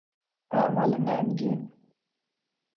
اعمال ننگین